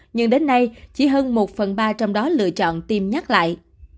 nhưng đến nay chỉ hơn một phần ba trong đó lựa chọn tiêm nhắc lại